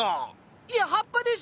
いや葉っぱですよ！